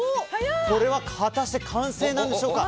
これは果たして完成なんでしょうか。